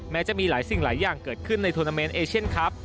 จะมีหลายสิ่งหลายอย่างเกิดขึ้นในทวนาเมนต์เอเชียนครับ